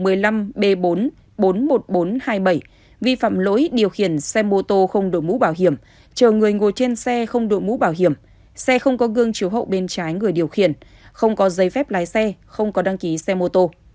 lê vị tê sinh năm hai nghìn bảy chú phố mê linh quận lê trân điều khiển xe mô tô một mươi năm b ba trăm bốn mươi sáu nghìn sáu trăm linh chờ người ngồi sau vi phạm lỗi điều khiển xe mô tô không đội mũ bảo hiểm chờ người ngồi trên xe không đội mũ bảo hiểm xe không có gương chiều hậu bên trái người điều khiển không có giấy phép lái xe không có đăng ký xe mô tô